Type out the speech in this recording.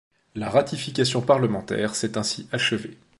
La ratification parlementaire s'est ainsi achevé.